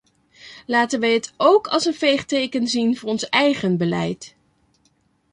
Laten wij het ook als een veeg teken zien voor ons eigen beleid.